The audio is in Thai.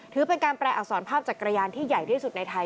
ถือเป็นการแปลอักษรภาพจักรยานที่ใหญ่ที่สุดในไทย